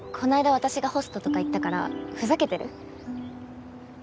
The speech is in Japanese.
私がホストとか言ったからふざけてる？